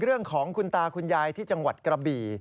เรื่องของคุณตาคุณยายที่จังหวัดกระบี่